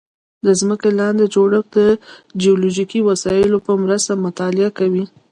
د ځمکې لاندې جوړښت د جیوفزیکي وسایلو په مرسته مطالعه کوي